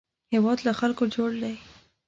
هېواد له خلکو جوړ دی